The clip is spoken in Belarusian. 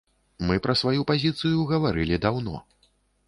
Мы пра сваю пазіцыю гаварылі даўно.